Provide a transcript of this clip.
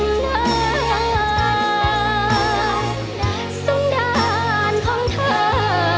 สุดท้ายมันจะยังสุดท้ายมันจะยังสุดท้าย